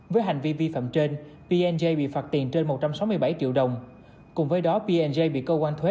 với hành vi vi phạm trên p j bị phạt tiền trên một trăm sáu mươi bảy triệu đồng cùng với đó p j bị cơ quan thuế